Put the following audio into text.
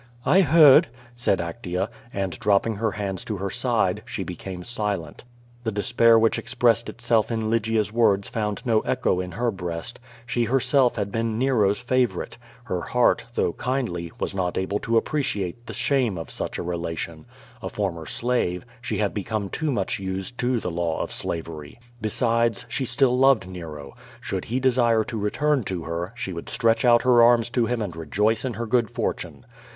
"I heard," said Actea, and, dropping her hands to her side, she became silent. The despair which expressed itself in Lygia's words found no echo in her breast. She herself had been Nero's favorite. Iler heart, though kindly, was not able to appreciate the shame of such a relation. A former slave« die had become too much used to the law of slavery. Be 74 QVO VADI8. sides, she still loved Nero. Should he desire to return to her, she would stretch out her arms to him and rejoice in her good fortune.